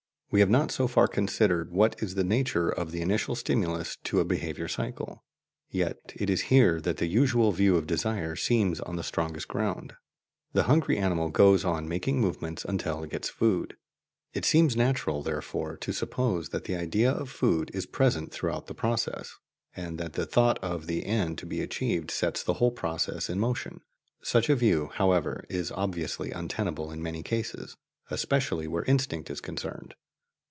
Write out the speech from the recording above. We have not so far considered what is the nature of the initial stimulus to a behaviour cycle. Yet it is here that the usual view of desire seems on the strongest ground. The hungry animal goes on making movements until it gets food; it seems natural, therefore, to suppose that the idea of food is present throughout the process, and that the thought of the end to be achieved sets the whole process in motion. Such a view, however, is obviously untenable in many cases, especially where instinct is concerned.